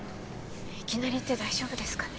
いきなり行って大丈夫ですかね